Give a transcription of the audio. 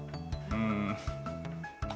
うん？